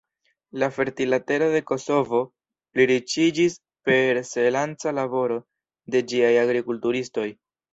La fertila tero de Kosovo pliriĉiĝis per senlaca laboro de ĝiaj agrikulturistoj.